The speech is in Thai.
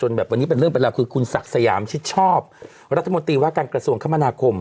เรื่องเป็นอะไรคือคุณศักดิ์สยามชิดชอบรัฐมนตรีว่าการกระทรวงคมนาคม